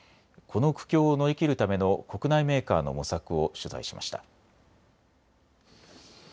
この苦境を乗りきるための国内メーカーの模索を取材しました。